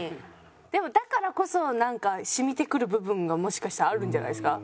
でもだからこそなんかしみてくる部分がもしかしたらあるんじゃないですか？